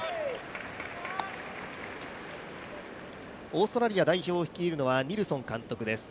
オーストラリア代表を率いるのはニルソン監督です。